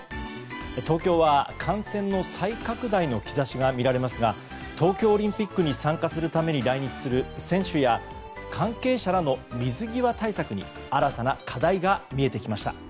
東京は、感染の再拡大の兆しが見られますが東京オリンピックに参加するために来日する選手や関係者らの水際対策に新たな課題が見えてきました。